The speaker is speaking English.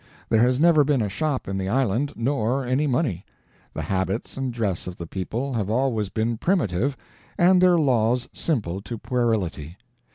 There has never been a shop in the island, nor any money. The habits and dress of the people have always been primitive, and their laws simple to puerility.